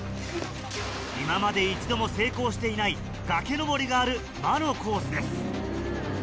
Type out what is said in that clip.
今まで１度も成功していない崖登りがある魔のコースです。